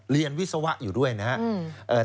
เรียนวิศวะอยู่ด้วยนะฮะ